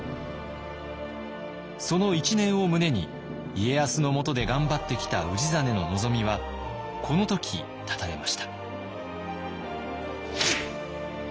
その一念を胸に家康のもとで頑張ってきた氏真の望みはこの時絶たれました。